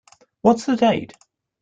What's the date?